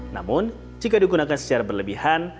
namun jika digunakan secara berlebihan